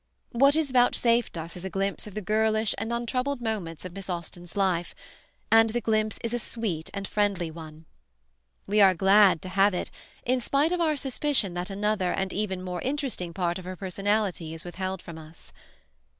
What is vouchsafed us is a glimpse of the girlish and untroubled moments of Miss Austen's life; and the glimpse is a sweet and friendly one. We are glad to have it, in spite of our suspicion that another and even more interesting part of her personality is withheld from us.